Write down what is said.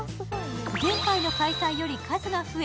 前回の開催より数が増え